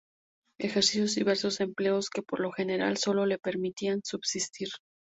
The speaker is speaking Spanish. Ejerció diversos empleos, que por lo general solo le permitían subsistir.